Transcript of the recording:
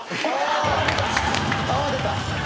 「泡出た」